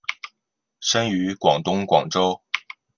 生于广东广州。